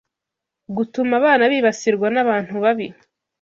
gutuma abana bibasirwa n’abantu babi